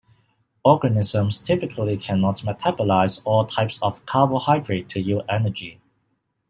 Organisms typically cannot metabolize all types of carbohydrate to yield energy.